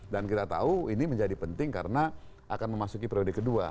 dan kita tahu ini menjadi penting karena akan memasuki prioritas kedua